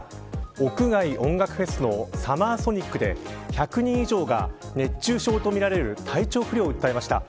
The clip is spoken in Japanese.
屋外音楽フェスのサマーソニックで１００人以上が熱中症とみられる体調不良を訴えました。